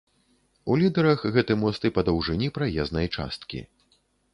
У лідэрах гэты мост і па даўжыні праезнай часткі.